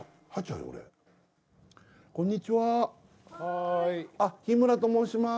俺こんにちははいあっ日村と申します